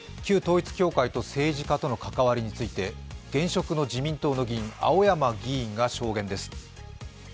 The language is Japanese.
旧統一教会と政治家との関わりについて自民党の現職議員青山議員が証言です。